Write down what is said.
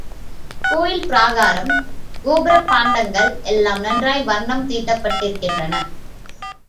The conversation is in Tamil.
கோயில் பிராகாரம், கோபுரம், பாண்டங்கள் எல்லாம் நன்றாய் வர்ணம் தீட்டப்பட்டிருக்கின்றன.